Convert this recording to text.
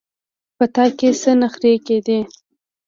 په تا کې څه نخرې کېدې.